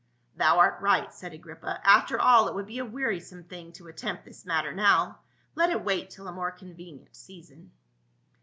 "Thou art right," said Agrippa. "After all it would be a wearisome thing to attempt this matter now ; let it wait till a more convenient season."